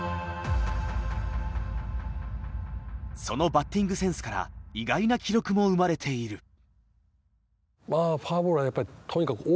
そのバッティングセンスから意外な記録も生まれている。